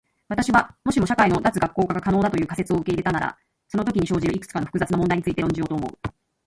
私は、もしも社会の脱学校化が可能だという仮説を受け入れたならそのときに生じるいくつかの複雑な問題について論じようと思う。